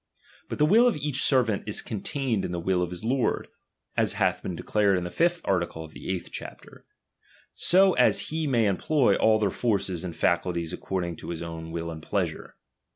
But the will of each servant is contained in the will of his lord j as hath been declared in the fifth article of the eighth chapter ; so as he may employ all their forces and facilities according to his own will and pleasure.